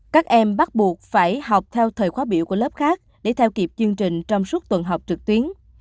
các em bắt buộc phải học theo thời khóa biểu của lớp khác để theo kịp chương trình trong suốt tuần học trực tuyến